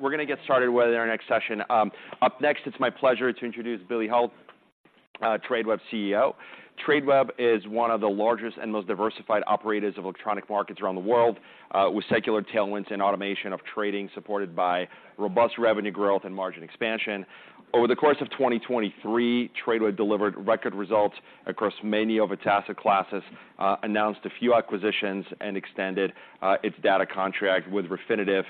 We're gonna get started with our next session. Up next, it's my pleasure to introduce Billy Hult, Tradeweb's CEO. Tradeweb is one of the largest and most diversified operators of electronic markets around the world, with secular tailwinds and automation of trading, supported by robust revenue growth and margin expansion. Over the course of 2023, Tradeweb delivered record results across many of its asset classes, announced a few acquisitions, and extended its data contract with Refinitiv,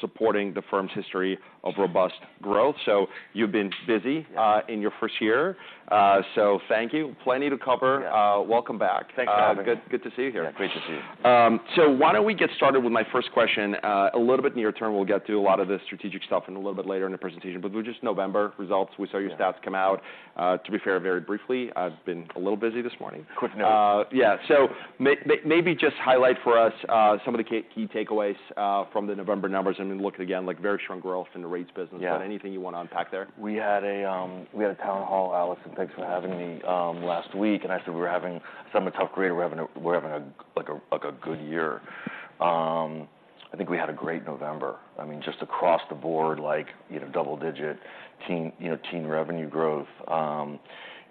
supporting the firm's history of robust growth. So you've been busy- Yeah In your first year. So thank you. Plenty to cover. Yeah. Welcome back. Thanks for having me. Good, good to see you here. Great to see you. So why don't we get started with my first question? A little bit near term, we'll get to a lot of the strategic stuff in a little bit later in the presentation, but with just November results, we saw your stats come out. Yeah. To be fair, very briefly, I've been a little busy this morning. Quick note. Yeah. So maybe just highlight for us some of the key takeaways from the November numbers, and then look again, like, very strong growth in the rates business. Yeah. Anything you want to unpack there? We had a town hall, Alex, and thanks for having me last week, and I said we were having somewhat tough grade. We're having like a good year. I think we had a great November. I mean, just across the board, like, you know, double digit teen, you know, teen revenue growth,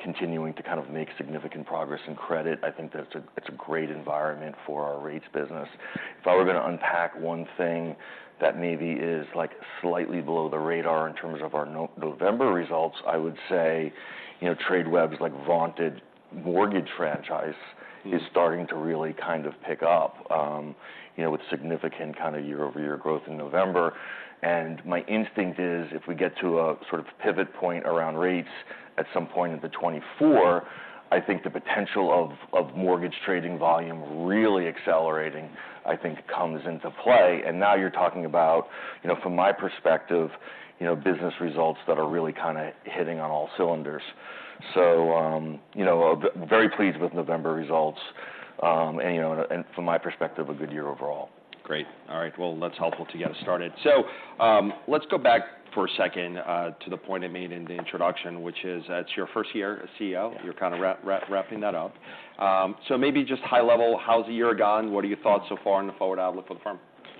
continuing to kind of make significant progress in credit. I think that's it's a great environment for our rates business. If I were gonna unpack one thing that maybe is, like, slightly below the radar in terms of our November results, I would say, you know, Tradeweb's, like, vaunted mortgage franchise-... is starting to really kind of pick up, you know, with significant kind of year-over-year growth in November. And my instinct is, if we get to a sort of pivot point around rates at some point in 2024, I think the potential of, of mortgage trading volume really accelerating, I think, comes into play. And now you're talking about, you know, from my perspective, you know, business results that are really kind of hitting on all cylinders. So, you know, very pleased with November results. And, you know, and from my perspective, a good year overall. Great. All right, well, that's helpful to get us started. So, let's go back for a second, to the point I made in the introduction, which is, it's your first year as CEO. Yeah. You're kind of wrapping that up. Maybe just high level, how's the year gone? What are your thoughts so far on the forward outlook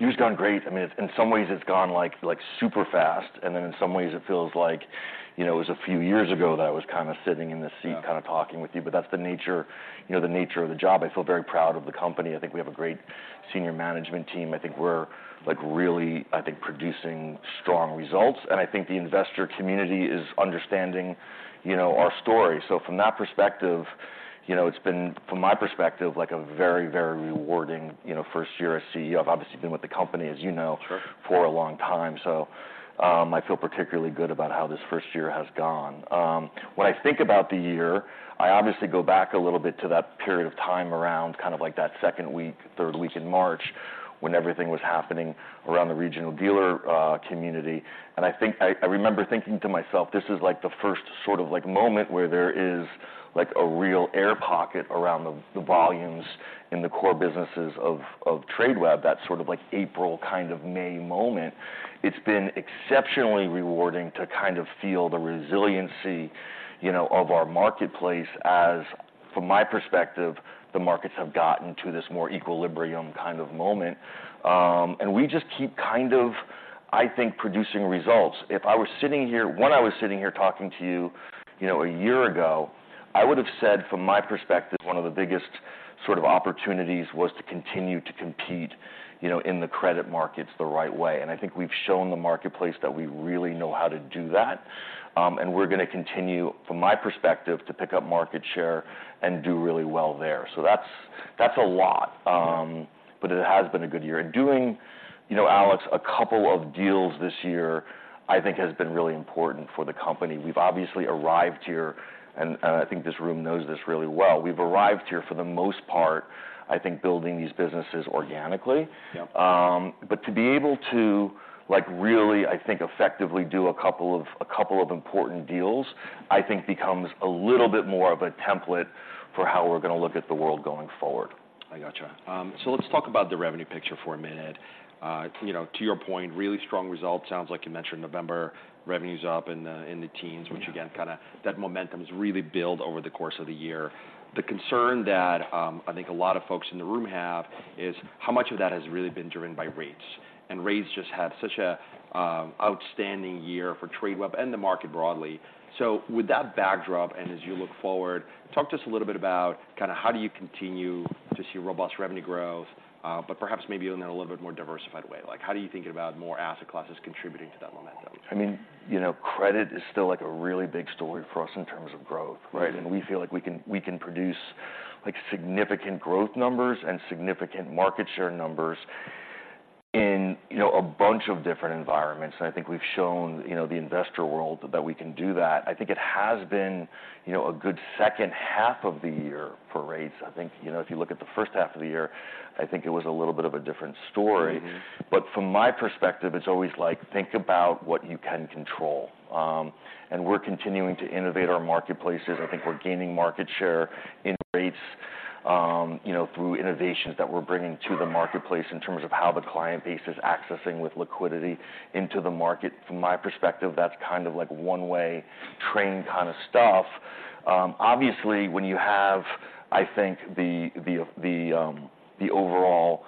for the firm? Year's gone great. I mean, it's, in some ways it's gone, like, like, super fast, and then in some ways it feels like, you know, it was a few years ago that I was kind of sitting in this seat- Yeah... kind of talking with you, but that's the nature, you know, the nature of the job. I feel very proud of the company. I think we have a great senior management team. I think we're, like, really, I think, producing strong results, and I think the investor community is understanding, you know, our story. So from that perspective, you know, it's been, from my perspective, like, a very, very rewarding, you know, first year as CEO. I've obviously been with the company, as you know- Sure... for a long time, so, I feel particularly good about how this first year has gone. When I think about the year, I obviously go back a little bit to that period of time around kind of like that second week, third week in March, when everything was happening around the regional dealer community. I think, I remember thinking to myself, "This is, like, the first sort of, like, moment where there is, like, a real air pocket around the volumes in the core businesses of Tradeweb," that sort of like April, kind of May moment. It's been exceptionally rewarding to kind of feel the resiliency, you know, of our marketplace as, from my perspective, the markets have gotten to this more equilibrium kind of moment. And we just keep kind of, I think, producing results. If I were sitting here... When I was sitting here talking to you, you know, a year ago, I would've said, from my perspective, one of the biggest sort of opportunities was to continue to compete, you know, in the credit markets the right way. And I think we've shown the marketplace that we really know how to do that. And we're gonna continue, from my perspective, to pick up market share and do really well there. So that's, that's a lot, but it has been a good year. And doing, you know, Alex, a couple of deals this year, I think has been really important for the company. We've obviously arrived here, and I think this room knows this really well. We've arrived here, for the most part, I think, building these businesses organically. Yeah. But to be able to, like, really, I think, effectively do a couple of important deals, I think becomes a little bit more of a template for how we're gonna look at the world going forward. I gotcha. So let's talk about the revenue picture for a minute. You know, to your point, really strong results. Sounds like you mentioned November, revenue's up in the teens- Yeah... which, again, kind of that momentum has really built over the course of the year. The concern that, I think a lot of folks in the room have is: How much of that has really been driven by rates? And rates just have such a outstanding year for Tradeweb and the market broadly. So with that backdrop, and as you look forward, talk to us a little bit about kind of how do you continue to see robust revenue growth, but perhaps maybe in a little bit more diversified way? Like, how do you think about more asset classes contributing to that momentum? I mean, you know, credit is still, like, a really big story for us in terms of growth, right? Mm-hmm. We feel like we can, we can produce, like, significant growth numbers and significant market share numbers in, you know, a bunch of different environments. I think we've shown, you know, the investor world that we can do that. I think it has been, you know, a good second half of the year for rates. I think, you know, if you look at the first half of the year, I think it was a little bit of a different story. Mm-hmm. But from my perspective, it's always like: Think about what you can control. And we're continuing to innovate our marketplaces. I think we're gaining market share in rates... you know, through innovations that we're bringing to the marketplace in terms of how the client base is accessing with liquidity into the market. From my perspective, that's kind of like one-way train kind of stuff. Obviously, when you have, I think, the overall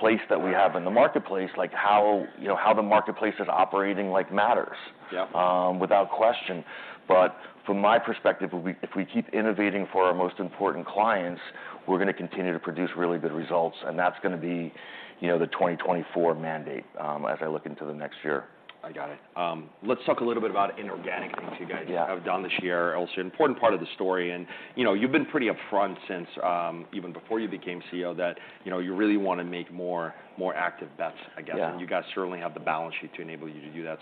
place that we have in the marketplace, like how, you know, how the marketplace is operating, like, matters- Yep... without question. But from my perspective, we if we keep innovating for our most important clients, we're gonna continue to produce really good results, and that's gonna be, you know, the 2024 mandate, as I look into the next year. I got it. Let's talk a little bit about inorganic things- Yeah you guys have done this year, also an important part of the story. And, you know, you've been pretty upfront since, even before you became CEO, that, you know, you really want to make more, more active bets, I guess. Yeah. You guys certainly have the balance sheet to enable you to do that.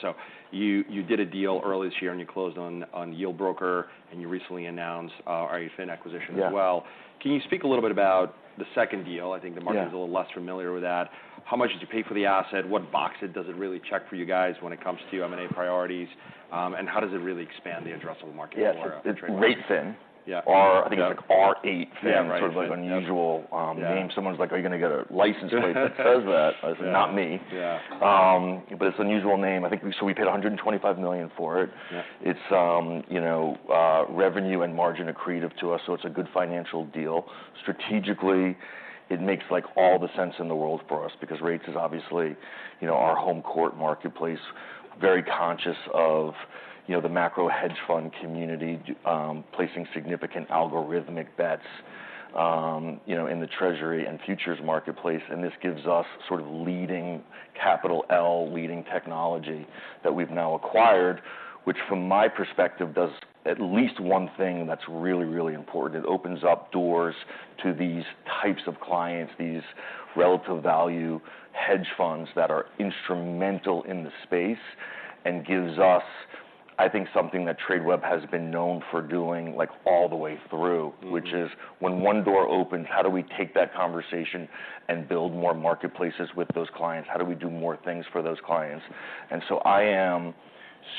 You did a deal early this year, and you closed on Yieldbroker, and you recently announced r8fin acquisition as well. Yeah. Can you speak a little bit about the second deal? Yeah. I think the market is a little less familiar with that. How much did you pay for the asset? What boxes does it really check for you guys when it comes to M&A priorities? And how does it really expand the addressable market for Tradeweb? Yes. It's r8fin. Yeah. I think it's like r8fin- Yeah, right... sort of like unusual, name. Yeah. Someone's like: Are you gonna get a license plate that says that? Yeah. I said, "Not me. Yeah. But it's an unusual name. I think so we paid $125 million for it. Yeah. It's, you know, revenue and margin accretive to us, so it's a good financial deal. Strategically, it makes like all the sense in the world for us because rates is obviously, you know, our home court marketplace. Very conscious of, you know, the macro hedge fund community, placing significant algorithmic bets, you know, in the treasury and futures marketplace, and this gives us sort of leading, capital L, leading technology that we've now acquired, which, from my perspective, does at least one thing that's really, really important. It opens up doors to these types of clients, these relative value hedge funds that are instrumental in the space, and gives us, I think, something that Tradeweb has been known for doing, like, all the way through-... which is, when one door opens, how do we take that conversation and build more marketplaces with those clients? How do we do more things for those clients? And so I am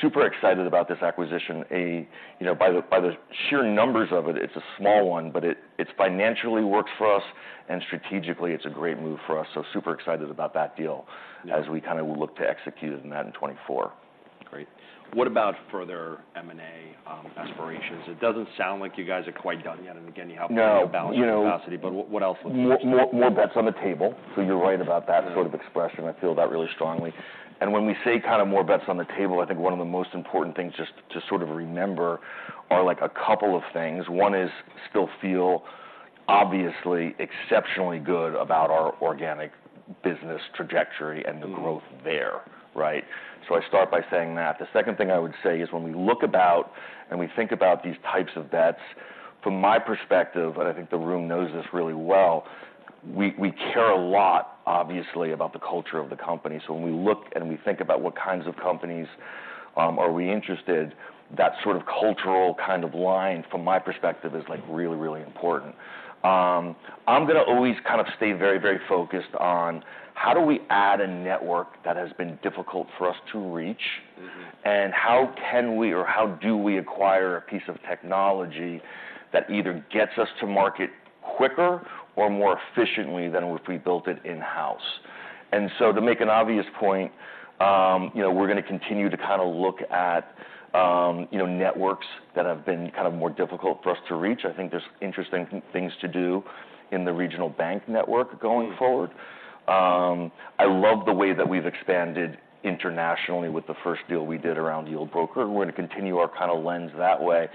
super excited about this acquisition. A, you know, by the, by the sheer numbers of it, it's a small one, but it, it financially works for us, and strategically, it's a great move for us. So super excited about that deal. Yeah... as we kind of look to execute on that in 2024. Great. What about further M&A aspirations? It doesn't sound like you guys are quite done yet, and again, you have- No... balance capacity, but what, what else looks...? More, more, more bets on the table, so you're right about that sort of expression. Mm-hmm. I feel that really strongly. When we say kind of more bets on the table, I think one of the most important things just to sort of remember are, like, a couple of things. One is still feel obviously exceptionally good about our organic business trajectory- Mm-hmm... and the growth there, right? So I start by saying that. The second thing I would say is, when we look about and we think about these types of bets, from my perspective, and I think the room knows this really well, we, we care a lot, obviously, about the culture of the company. So when we look and we think about what kinds of companies, are we interested, that sort of cultural kind of line, from my perspective, is, like, really, really important. I'm gonna always kind of stay very, very focused on how do we add a network that has been difficult for us to reach? How can we, or how do we acquire a piece of technology that either gets us to market quicker or more efficiently than if we built it in-house? So, to make an obvious point, you know, we're gonna continue to kind of look at, you know, networks that have been kind of more difficult for us to reach. I think there's interesting things to do in the regional bank network going forward. I love the way that we've expanded internationally with the first deal we did around Yieldbroker, and we're gonna continue our kind of lens that way.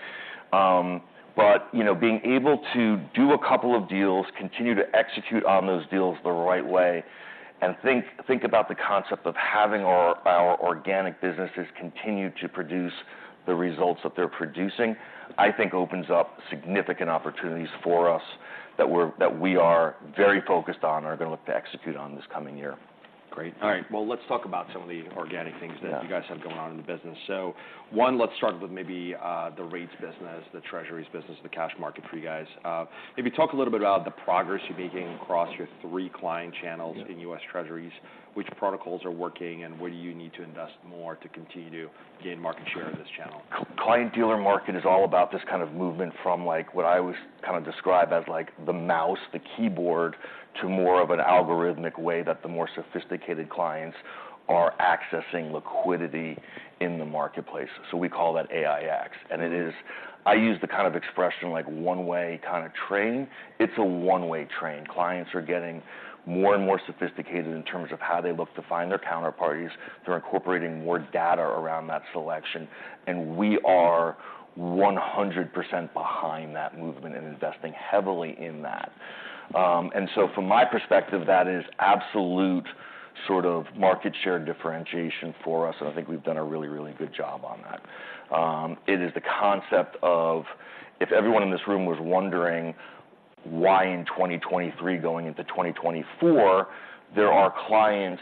But, you know, being able to do a couple of deals, continue to execute on those deals the right way, and think about the concept of having our organic businesses continue to produce the results that they're producing, I think opens up significant opportunities for us that we are very focused on, are gonna look to execute on this coming year. Great. All right, well, let's talk about some of the organic things- Yeah... that you guys have going on in the business. So one, let's start with maybe the rates business, the treasuries business, the cash market for you guys. Maybe talk a little bit about the progress you're making across your three client channels- Yeah... in U.S. Treasuries. Which protocols are working, and where do you need to invest more to continue to gain market share in this channel? The client-dealer market is all about this kind of movement from, like, what I always kind of describe as, like, the mouse, the keyboard, to more of an algorithmic way that the more sophisticated clients are accessing liquidity in the marketplace. So we call that AiEX, and it is. I use the kind of expression, like, one way kind of train. It's a one-way train. Clients are getting more and more sophisticated in terms of how they look to find their counterparties. They're incorporating more data around that selection, and we are 100% behind that movement and investing heavily in that. And so from my perspective, that is absolute sort of market share differentiation for us, and I think we've done a really, really good job on that. It is the concept of, if everyone in this room was wondering why, in 2023 going into 2024, there are clients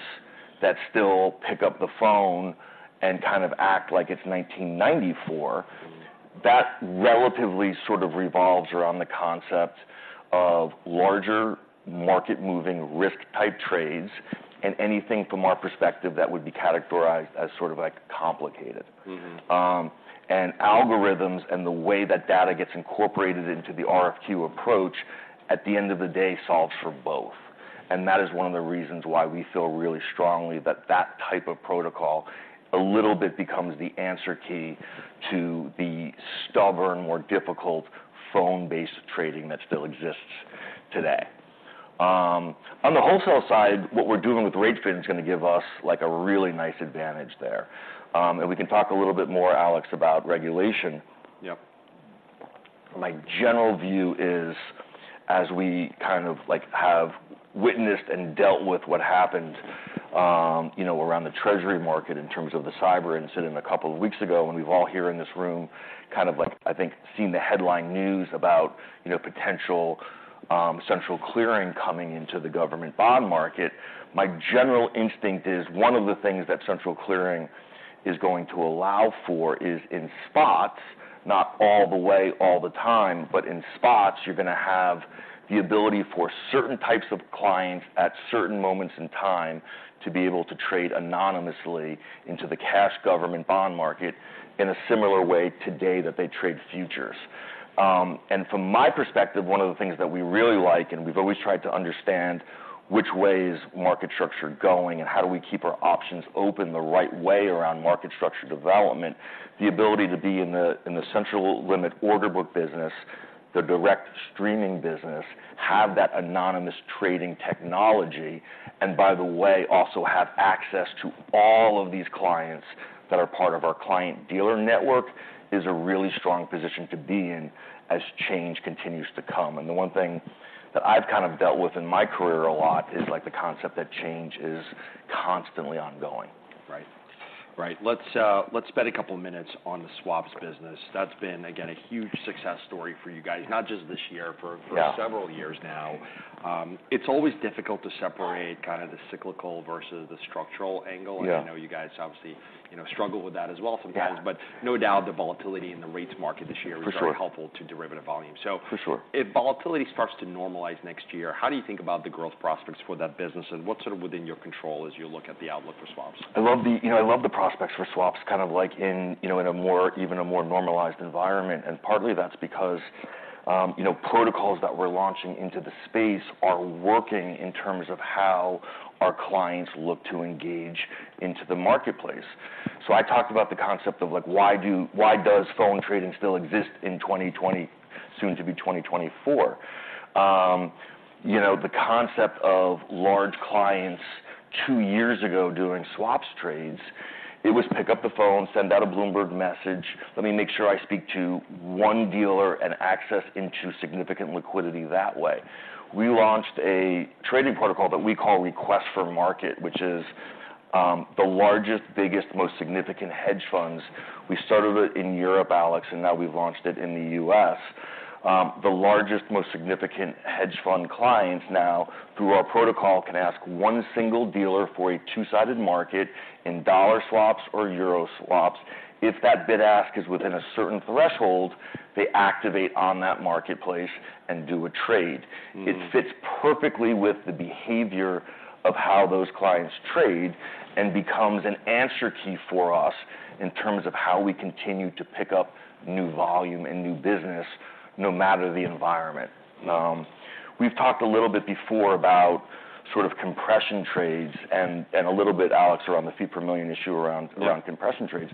that still pick up the phone and kind of act like it's 1994, that relatively sort of revolves around the concept of larger market-moving risk-type trades, and anything from our perspective that would be categorized as sort of, like, complicated. And algorithms and the way that data gets incorporated into the RFQ approach, at the end of the day, solves for both... and that is one of the reasons why we feel really strongly that that type of protocol, a little bit becomes the answer key to the stubborn, more difficult phone-based trading that still exists today. On the wholesale side, what we're doing with rate trading is gonna give us, like, a really nice advantage there. And we can talk a little bit more, Alex, about regulation. Yep. My general view is, as we kind of, like, have witnessed and dealt with what happened, you know, around the treasury market in terms of the cyber incident a couple of weeks ago, and we've all here in this room, kind of like, I think, seen the headline news about, you know, potential, central clearing coming into the government bond market. My general instinct is, one of the things that central clearing is going to allow for is, in spots, not all the way all the time, but in spots, you're gonna have the ability for certain types of clients at certain moments in time, to be able to trade anonymously into the cash government bond market in a similar way today that they trade futures. And from my perspective, one of the things that we really like, and we've always tried to understand which way is market structure going, and how do we keep our options open the right way around market structure development? The ability to be in the, in the Central Limit Order Book business, the direct streaming business, have that anonymous trading technology, and by the way, also have access to all of these clients that are part of our client dealer network, is a really strong position to be in as change continues to come. The one thing that I've kind of dealt with in my career a lot is, like, the concept that change is constantly ongoing. Right. Right, let's, let's spend a couple minutes on the swaps business. That's been, again, a huge success story for you guys, not just this year- Yeah... for several years now. It's always difficult to separate kind of the cyclical versus the structural angle- Yeah... and I know you guys obviously, you know, struggle with that as well sometimes. Yeah. But no doubt the volatility in the rates market this year- For sure... was very helpful to derivative volume, so. For sure. If volatility starts to normalize next year, how do you think about the growth prospects for that business, and what's sort of within your control as you look at the outlook for swaps? I love the... You know, I love the prospects for swaps, kind of like in, you know, in a more, even a more normalized environment. And partly that's because, you know, protocols that we're launching into the space are working in terms of how our clients look to engage into the marketplace. So I talked about the concept of, like, why does phone trading still exist in 2020, soon to be 2024? You know, the concept of large clients two years ago doing swaps trades, it was pick up the phone, send out a Bloomberg message, let me make sure I speak to one dealer, and access into significant liquidity that way. We launched a trading protocol that we call Request for Market, which is, the largest, biggest, most significant hedge funds. We started it in Europe, Alex, and now we've launched it in the U.S. The largest, most significant hedge fund clients now, through our protocol, can ask one single dealer for a two-sided market in dollar swaps or euro swaps. If that bid-ask is within a certain threshold, they activate on that marketplace and do a trade. It fits perfectly with the behavior of how those clients trade, and becomes an answer key for us in terms of how we continue to pick up new volume and new business, no matter the environment. We've talked a little bit before about sort of compression trades and a little bit, Alex, around the fee per million issue around- Yeah... around compression trades.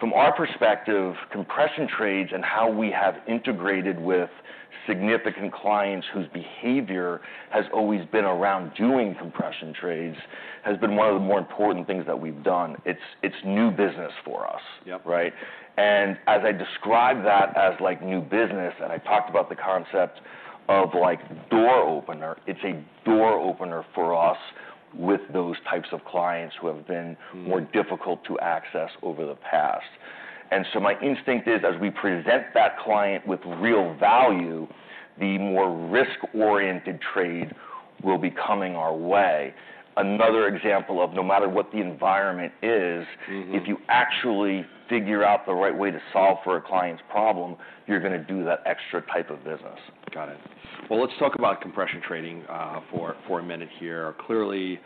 From our perspective, compression trades and how we have integrated with significant clients whose behavior has always been around doing compression trades, has been one of the more important things that we've done. It's, it's new business for us. Yep. Right? And as I describe that as, like, new business, and I talked about the concept of, like, door opener, it's a door opener for us with those types of clients who have been-... more difficult to access over the past. And so my instinct is, as we present that client with real value, the more risk-oriented trade will be coming our way. Another example of no matter what the environment is-... if you actually figure out the right way to solve for a client's problem, you're gonna do that extra type of business. Got it. Well, let's talk about compression trading for a minute here. Clearly,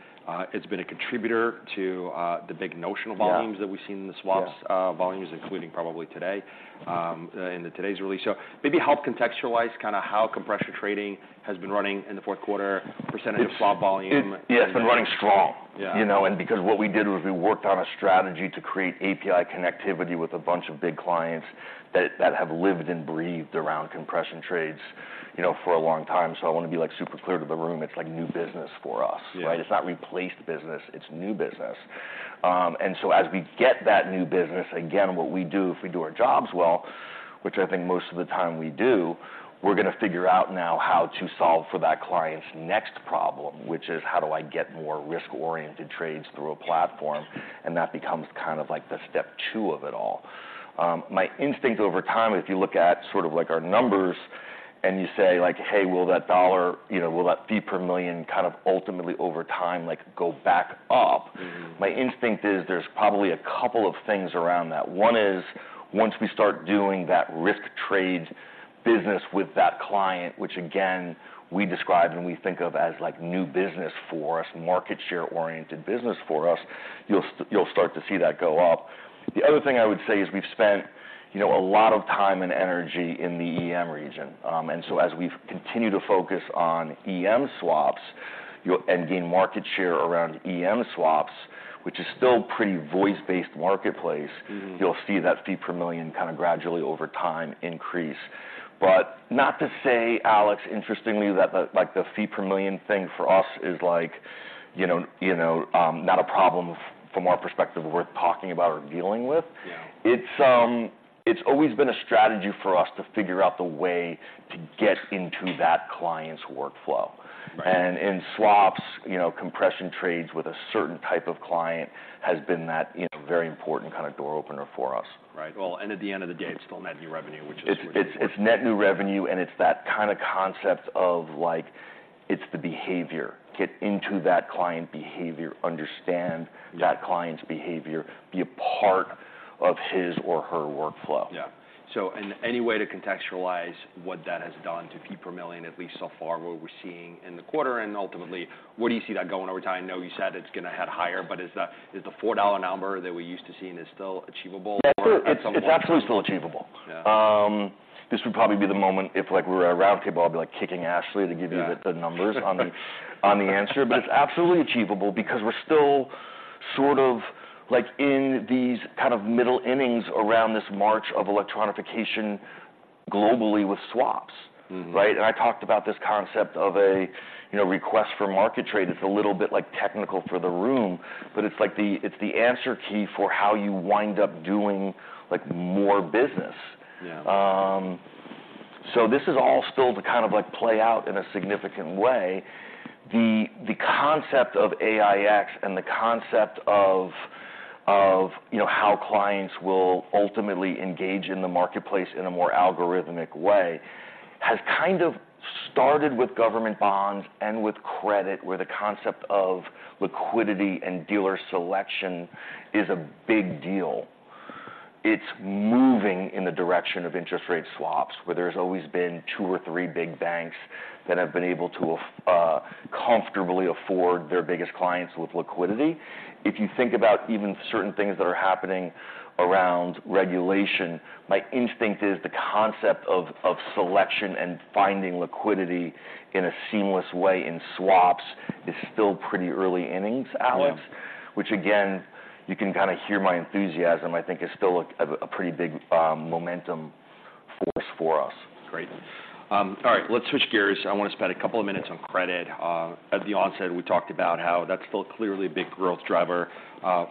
it's been a contributor to the big notional volumes- Yeah... that we've seen in the swaps- Yeah... volumes, including probably today, in today's release. So maybe help contextualize kind of how compression trading has been running in the Q4, percentage of swap volume. Yeah, it's been running strong. Yeah. You know, and because what we did was, we worked on a strategy to create API connectivity with a bunch of big clients that, that have lived and breathed around compression trades, you know, for a long time. So I wanna be, like, super clear to the room, it's like new business for us. Yeah. Right? It's not replaced business, it's new business. And so as we get that new business, again, what we do if we do our jobs well, which I think most of the time we do, we're gonna figure out now how to solve for that client's next problem, which is: How do I get more risk-oriented trades through a platform? And that becomes kind of like the step two of it all. My instinct over time, if you look at sort of like our numbers, and you say, like, "Hey, will that dollar, you know, will that fee per million kind of ultimately over time, like, go back up? My instinct is, there's probably a couple of things around that. One is, once we start doing that risk trade business with that client, which again, we describe and we think of as like new business for us, market share-oriented business for us, you'll start to see that go up. The other thing I would say is, we've spent you know, a lot of time and energy in the EM region. And so as we've continued to focus on EM swaps, you'll and gain market share around EM swaps, which is still pretty voice-based marketplace- You'll see that fee per million kind of gradually over time increase. But not to say, Alex, interestingly, that the, like, the fee per million thing for us is like, you know, you know, not a problem from our perspective worth talking about or dealing with. Yeah. It's, it's always been a strategy for us to figure out the way to get into that client's workflow. Right. In swaps, you know, compression trades with a certain type of client has been that, you know, very important kind of door opener for us. Right. Well, and at the end of the day, it's still net new revenue, which is pretty- It's net new revenue, and it's that kind of concept of, like, it's the behavior. Get into that client behavior, understand- Yeah... that client's behavior, be a part of his or her workflow. Yeah. So, and any way to contextualize what that has done to fee per million, at least so far, what we're seeing in the quarter, and ultimately, where do you see that going over time? I know you said it's gonna head higher, but is the $4 number that we're used to seeing still achievable or at some point- Yeah, it's absolutely still achievable. Yeah. This would probably be the moment if, like, we were a round table, I'd be, like, kicking Ashley to give you- Yeah... the numbers on the answer. But it's absolutely achievable because we're still sort of, like, in these kind of middle innings around this march of electronification globally with swaps. Right? I talked about this concept of a, you know, Request for Market trade. It's a little bit, like, technical for the room, but it's like it's the answer key for how you wind up doing, like, more business. Yeah. So this is all still to kind of, like, play out in a significant way. The concept of AIX and the concept of, you know, how clients will ultimately engage in the marketplace in a more algorithmic way, has kind of started with government bonds and with credit, where the concept of liquidity and dealer selection is a big deal. It's moving in the direction of interest rate swaps, where there's always been two or three big banks that have been able to afford their biggest clients with liquidity. If you think about even certain things that are happening around regulation, my instinct is the concept of selection and finding liquidity in a seamless way in swaps is still pretty early innings, Alex. Well- Which again, you can kind of hear my enthusiasm, I think is still a pretty big momentum force for us. Great. All right, let's switch gears. I wanna spend a couple of minutes on credit. At the onset, we talked about how that's still clearly a big growth driver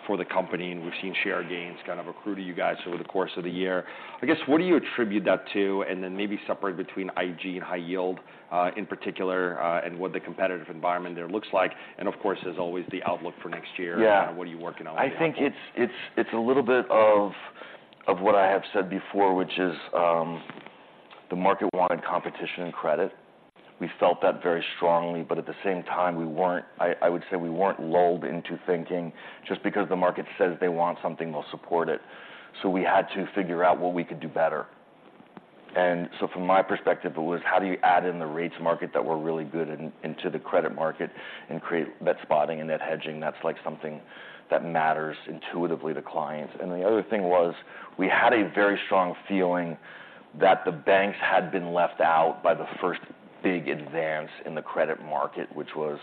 for the company, and we've seen share gains kind of accrue to you guys over the course of the year. I guess, what do you attribute that to? And then maybe separate between IG and high yield, in particular, and what the competitive environment there looks like, and of course, there's always the outlook for next year? Yeah... and what are you working on? I think it's a little bit of what I have said before, which is, the market wanted competition and credit. We felt that very strongly, but at the same time, we weren't. I would say we weren't lulled into thinking just because the market says they want something, they'll support it. So we had to figure out what we could do better. And so from my perspective, it was, how do you add in the rates market that were really good in- into the credit market and create net spotting and net hedging? That's, like, something that matters intuitively to clients. The other thing was, we had a very strong feeling that the banks had been left out by the first big advance in the credit market, which was,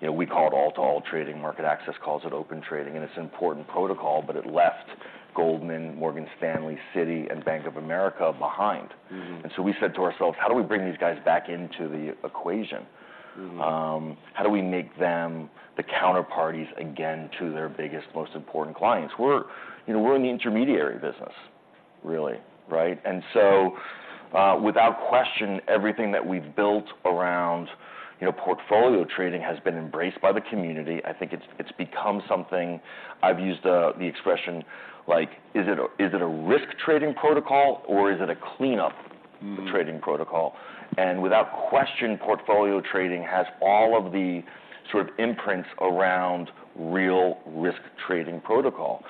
you know, we call it all-to-all trading, MarketAxess calls it Open Trading, and it's important protocol, but it left Goldman, Morgan Stanley, Citi, and Bank of America behind. We said to ourselves: How do we bring these guys back into the equation? How do we make them the counterparties again to their biggest, most important clients? We're, you know, we're in the intermediary business, really, right? And so, without question, everything that we've built around, you know, portfolio trading has been embraced by the community. I think it's, it's become something... I've used, the expression like, is it a, is it a risk trading protocol or is it a cleanup-... trading protocol? And without question, portfolio trading has all of the sort of imprints around real risk trading protocol.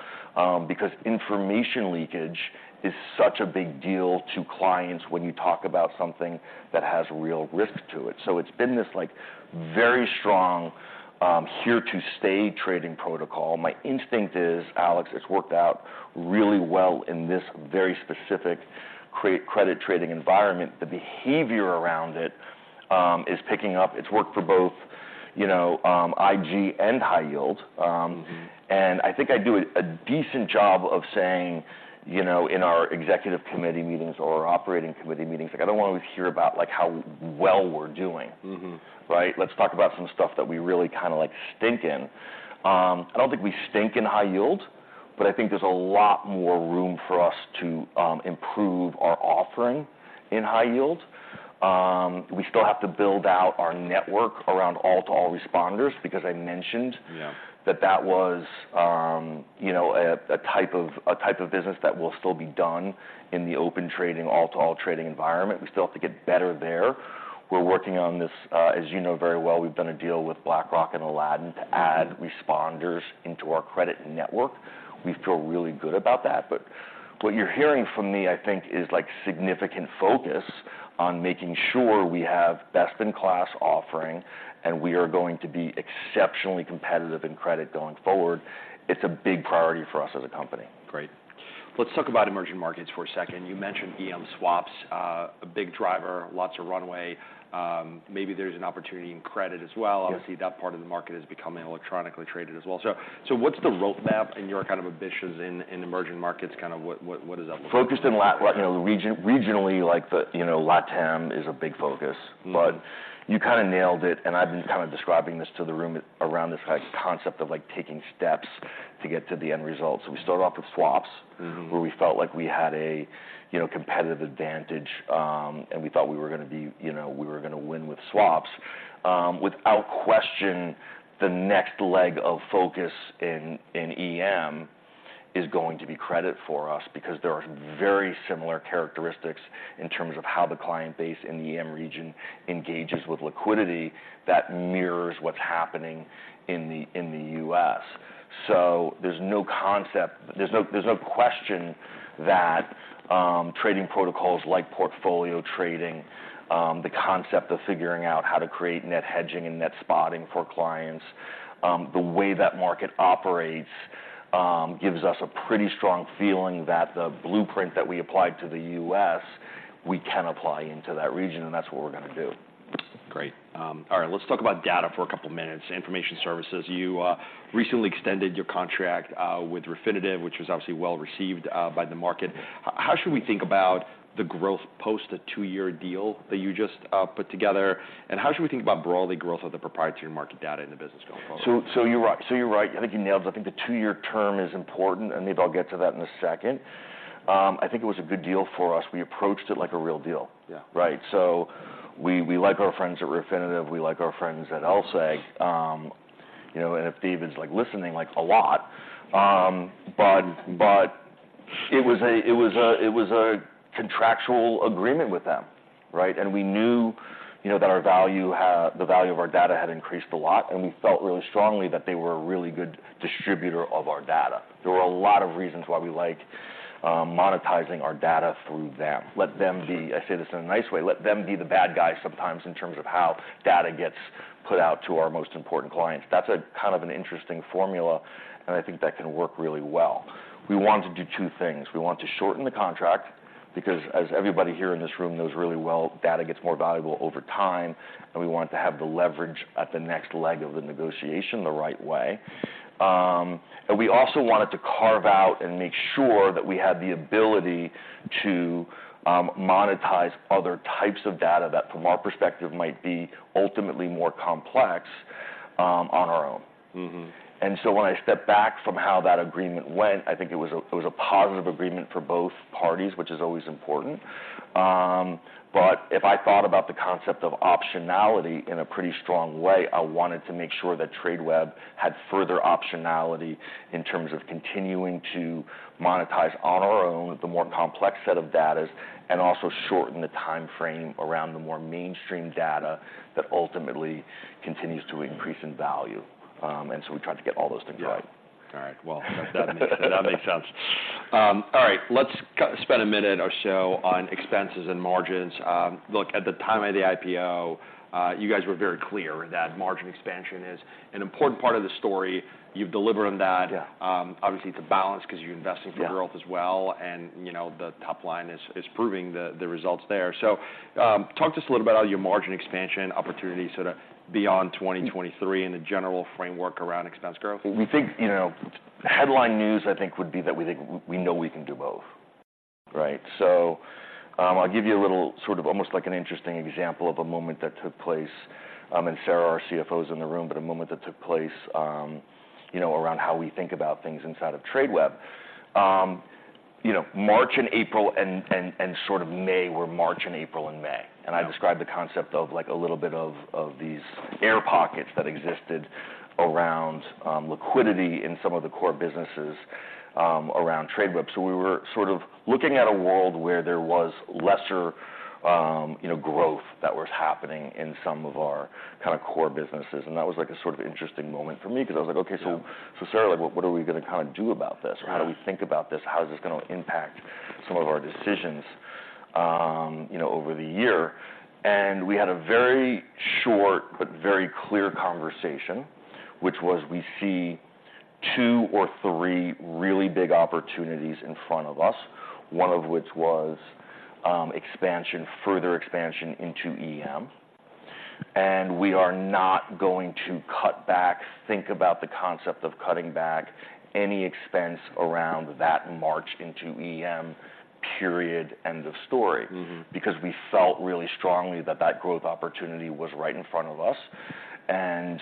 Because information leakage is such a big deal to clients when you talk about something that has real risk to it. So it's been this, like, very strong, here to stay trading protocol. My instinct is, Alex, it's worked out really well in this very specific credit trading environment. The behavior around it is picking up. It's worked for both, you know, IG and high yield.... and I think I do a decent job of saying, you know, in our Executive Committee meetings or Operating Committee meetings, like, I don't want to hear about, like, how well we're doing. Right? Let's talk about some stuff that we really kind of like stink in. I don't think we stink in high yield, but I think there's a lot more room for us to improve our offering in high yield. We still have to build out our network around all-to-all responders, because I mentioned- Yeah... that was, you know, a type of business that will still be done in the open trading, all-to-all trading environment. We still have to get better there. We're working on this. As you know very well, we've done a deal with BlackRock and Aladdin to add responders into our credit network. We feel really good about that, but what you're hearing from me, I think, is, like, significant focus on making sure we have best-in-class offering, and we are going to be exceptionally competitive in credit going forward. It's a big priority for us as a company. Great. Let's talk about emerging markets for a second. You mentioned EM swaps, a big driver, lots of runway. Maybe there's an opportunity in credit as well. Yeah. Obviously, that part of the market is becoming electronically traded as well. So, what's the roadmap and your kind of ambitions in emerging markets? Kind of what does that look like? Focused in Latam, you know, regionally, like, you know, Latam is a big focus. But you kind of nailed it, and I've been kind of describing this to the room, around this like concept of, like, taking steps to get to the end result. So we started off with swaps-... where we felt like we had a, you know, competitive advantage, and we thought we were gonna be... You know, we were gonna win with swaps. Without question, the next leg of focus in, in EM is going to be credit for us, because there are very similar characteristics in terms of how the client base in the EM region engages with liquidity that mirrors what's happening in the, in the U.S. So there's no question that, trading protocols like portfolio trading, the concept of figuring out how to create net hedging and net spotting for clients, the way that market operates, gives us a pretty strong feeling that the blueprint that we applied to the U.S., we can apply into that region, and that's what we're gonna do. Great. All right, let's talk about data for a couple minutes. Information services. You recently extended your contract with Refinitiv, which was obviously well-received by the market. How should we think about the growth post the two-year deal that you just put together? And how should we think about broadly growth of the proprietary market data in the business going forward? So, you're right. I think you nailed it. I think the two-year term is important, and maybe I'll get to that in a second. I think it was a good deal for us. We approached it like a real deal. Yeah. Right? So we like our friends at Refinitiv, we like our friends at LSEG, you know, and if Steve is, like, listening, like, a lot. But it was a contractual agreement with them, right? And we knew, you know, that our value had - the value of our data had increased a lot, and we felt really strongly that they were a really good distributor of our data. There were a lot of reasons why we liked monetizing our data through them. Let them be... I say this in a nice way, let them be the bad guy sometimes in terms of how data gets put out to our most important clients. That's a kind of an interesting formula, and I think that can work really well. We want to do two things: We want to shorten the contract, because as everybody here in this room knows really well, data gets more valuable over time, and we want to have the leverage at the next leg of the negotiation the right way. And we also wanted to carve out and make sure that we had the ability to, monetize other types of data that, from our perspective, might be ultimately more complex, on our own. And so when I step back from how that agreement went, I think it was a positive agreement for both parties, which is always important. But if I thought about the concept of optionality in a pretty strong way, I wanted to make sure that Tradeweb had further optionality in terms of continuing to monetize on our own, the more complex set of data, and also shorten the timeframe around the more mainstream data that ultimately continues to increase in value. And so we tried to get all those things right. Yeah. All right. Well, that makes, that makes sense. All right, let's spend a minute or so on expenses and margins. Look, at the time of the IPO, you guys were very clear that margin expansion is an important part of the story. You've delivered on that. Yeah. Obviously, it's a balance because you're investing for growth- Yeah... as well, and, you know, the top line is proving the results there. So, talk to us a little about your margin expansion opportunities sort of beyond 2023 and the general framework around expense growth. We think, you know, headline news, I think, would be that we think we know we can do both, right? So, I'll give you a little sort of almost like an interesting example of a moment that took place. And Ashley, our CFO, is in the room, but a moment that took place, you know, around how we think about things inside of Tradeweb. You know, March and April and sort of May, where March and April and May- Yeah ... and I described the concept of like a little bit of these air pockets that existed around liquidity in some of the core businesses around Tradeweb. So we were sort of looking at a world where there was lesser you know growth that was happening in some of our kind of core businesses, and that was like a sort of interesting moment for me. Because I was like: Okay, so Sarah, like, what are we gonna kind of do about this? Yeah. Or how do we think about this? How is this gonna impact some of our decisions, you know, over the year? And we had a very short but very clear conversation, which was, we see two or three really big opportunities in front of us, one of which was, expansion, further expansion into EM. And we are not going to cut back, think about the concept of cutting back any expense around that march into EM, period, end of story. Because we felt really strongly that that growth opportunity was right in front of us, and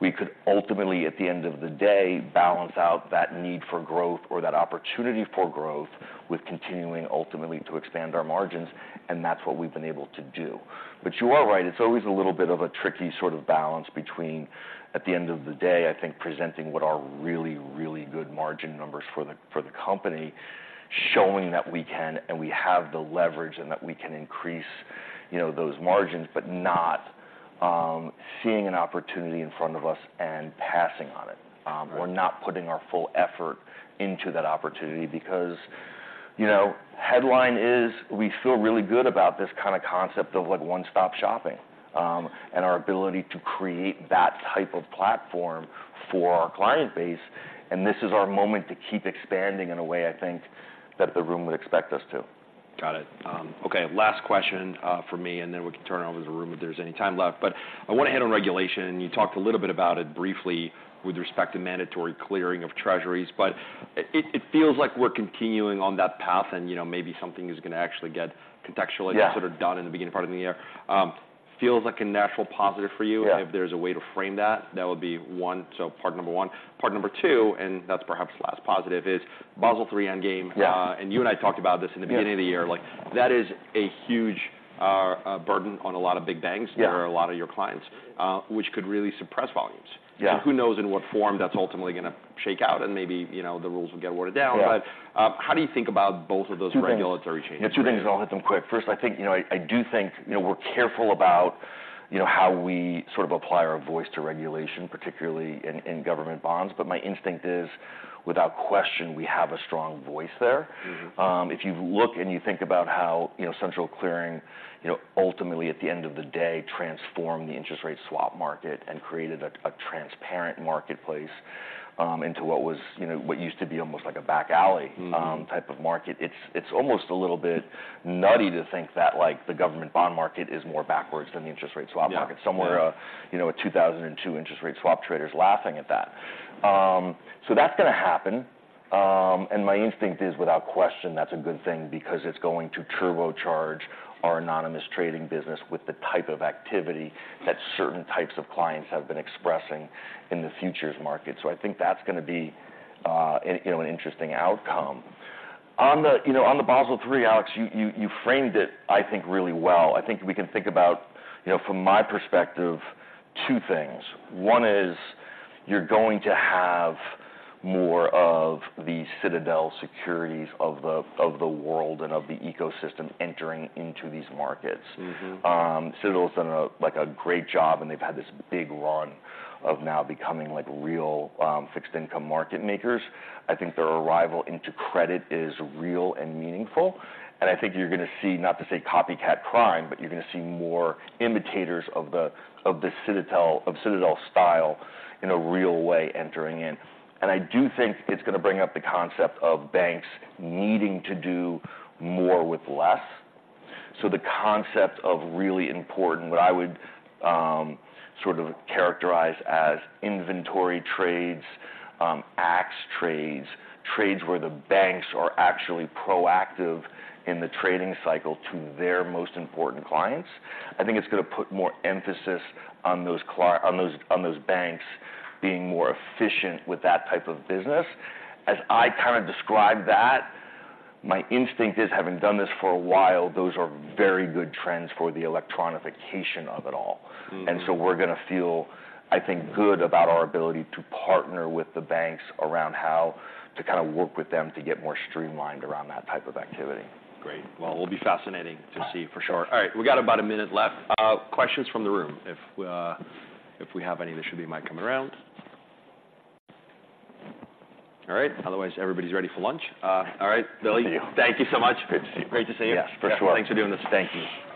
we could ultimately, at the end of the day, balance out that need for growth or that opportunity for growth, with continuing ultimately to expand our margins, and that's what we've been able to do. But you are right, it's always a little bit of a tricky sort of balance between, at the end of the day, I think, presenting what are really, really good margin numbers for the company, showing that we can and we have the leverage and that we can increase, you know, those margins, but not seeing an opportunity in front of us and passing on it. Right. We're not putting our full effort into that opportunity because, you know, headline is, we feel really good about this kind of concept of, like, one-stop shopping, and our ability to create that type of platform for our client base, and this is our moment to keep expanding in a way, I think, that the room would expect us to. Got it. Okay, last question from me, and then we can turn it over to the room if there's any time left. But I wanna hit on regulation, and you talked a little bit about it briefly with respect to mandatory clearing of Treasuries, but it feels like we're continuing on that path and, you know, maybe something is gonna actually get contextually- Yeah Sort of done in the beginning part of the year. Feels like a natural positive for you. Yeah. If there's a way to frame that, that would be one, so part number one. Part number two, and that's perhaps less positive, is Basel III endgame. Yeah. You and I talked about this in the- Yeah... beginning of the year. Like, that is a huge burden on a lot of big banks- Yeah -who are a lot of your clients, which could really suppress volumes. Yeah. Who knows in what form that's ultimately gonna shake out, and maybe, you know, the rules will get watered down. Yeah. But, how do you think about both of those? Two things... regulatory changes? Yeah, two things, and I'll hit them quick. First, I think, you know, I do think, you know, we're careful about, you know, how we sort of apply our voice to regulation, particularly in government bonds, but my instinct is, without question, we have a strong voice there. If you look and you think about how, you know, central clearing, you know, ultimately, at the end of the day, transformed the interest rate swap market and created a transparent marketplace into what was, you know, what used to be almost like a back alley-... type of market, it's almost a little bit nutty to think that, like, the government bond market is more backwards than the interest rate swap market. Yeah. Somewhere, you know, a 2002 interest rate swap trader's laughing at that. So that's gonna happen. And my instinct is, without question, that's a good thing because it's going to turbocharge our anonymous trading business with the type of activity that certain types of clients have been expressing in the futures market. So I think that's gonna be, you know, an interesting outcome. On the, you know, on the Basel III, Alex, you framed it, I think, really well. I think we can think about, you know, from my perspective, two things. One is, you're going to have more of the Citadel Securities of the world and of the ecosystem entering into these markets. Citadel's done a, like a great job, and they've had this big run of now becoming, like, real fixed income market makers. I think their arrival into credit is real and meaningful, and I think you're gonna see, not to say copycat crime, but you're gonna see more imitators of the Citadel style in a real way entering in. And I do think it's gonna bring up the concept of banks needing to do more with less. So the concept of really important, what I would sort of characterize as inventory trades, Ax trades, trades where the banks are actually proactive in the trading cycle to their most important clients, I think it's gonna put more emphasis on those banks being more efficient with that type of business. As I kind of describe that, my instinct is, having done this for a while, those are very good trends for the electronification of it all. And so we're gonna feel, I think, good about our ability to partner with the banks around how to kind of work with them to get more streamlined around that type of activity. Great. Well, it will be fascinating- Yeah... to see, for sure. All right, we've got about a minute left. Questions from the room, if we have any. There should be a mic coming around. All right, otherwise, everybody's ready for lunch. All right, Billy- Thank you. Thank you so much. Good to see you. Great to see you. Yeah, for sure. Thanks for doing this. Thank you.